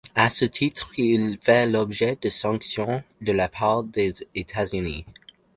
À ce titre, il fait l’objet de sanctions de la part des États-Unis.